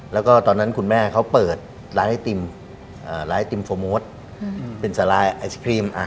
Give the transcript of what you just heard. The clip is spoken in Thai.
แล้วก็ตอนนั้นคุณแม่เขาเปิดร้านไอติมร้านไอติมโฟร์โมทเป็นสาลายไอศครีม